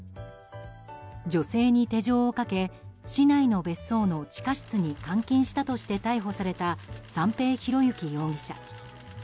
女性に手錠をかけ市内の別荘の地下室に監禁したとして逮捕された三瓶博幸容疑者。